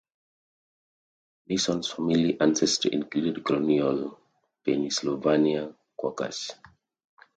Nixon's family ancestry included colonial Pennsylvania Quakers.